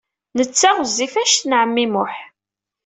Netta ɣezzif anect n ɛemmi Muḥ.